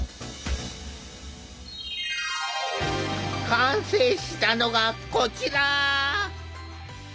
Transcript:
完成したのがこちら！